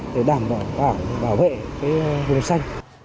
để bảo vệ vùng xanh